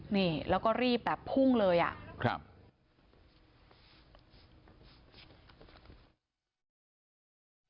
นี่แล้วก็รีบแบบพุ่งเลยอ่ะครับ